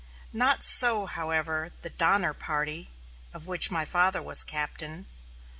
Not so, however, the "Donner Party," of which my father was captain.